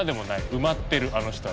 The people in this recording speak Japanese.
埋まってるあの人は。